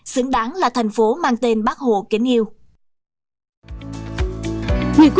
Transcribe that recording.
xứng đáng là thành phố mang tên bác hồ kính yêu